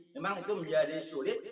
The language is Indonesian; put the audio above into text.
memang itu menjadi sulit